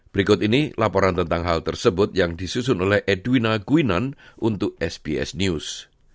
berikut ini laporan tentang hal tersebut yang disusun oleh edwina gwinan untuk sbs news